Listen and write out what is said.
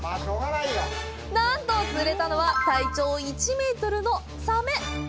なんと釣れたのは体長１メートルのサメ。